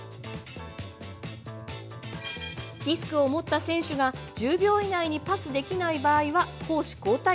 ディスクを持った選手が１０秒以内にパスできない場合は攻守交代